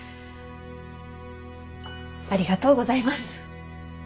ありがとうございます。